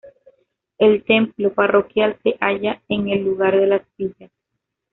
El templo parroquial se halla en el lugar de Las Villas.